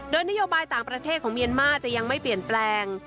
โดยนโยบายต่างประเทศของเมียนมาร์จะยังไม่เปลี่ยนแปลง